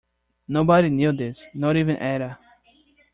Nobody knew this, not even Ada.